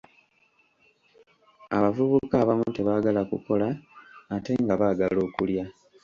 Abavubuka abamu tebaagala kukola ate nga baagala okulya.